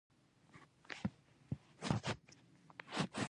هغه بې شرمۍ ختمې کړم.